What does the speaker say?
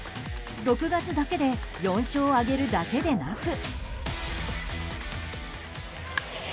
６月だけで４勝を挙げるだけでなく。